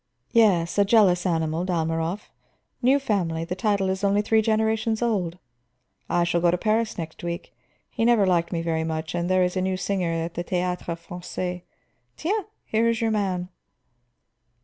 "Yes. A jealous animal, Dalmorov. New family; the title is only three generations old. I shall go to Paris next week; he never liked me very much, and there is a new singer at the Théâtre Français. Tiens, here is your man!"